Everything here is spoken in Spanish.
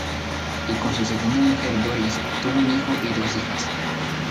Y con su segunda mujer Doris, tuvo un hijo y dos hijas